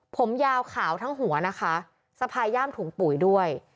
ผมยาวขาวทั้งหัวนะคะสะพายย่ามถุงปุ๋ยด้วย